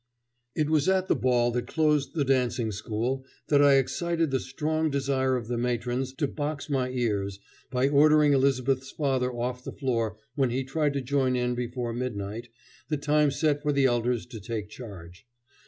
It was at the ball that closed the dancing school that I excited the strong desire of the matrons to box my ears by ordering Elizabeth's father off the floor when he tried to join in before midnight, the time set for the elders to take charge.